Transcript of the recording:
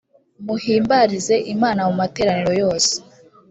muhimbarize imana mu materaniro yose